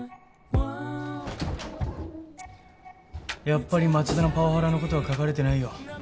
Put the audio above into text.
やっぱり町田のパワハラのことは書かれてないよ。